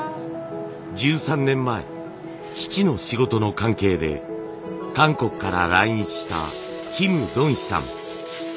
１３年前父の仕事の関係で韓国から来日したキム・ドンヒさん。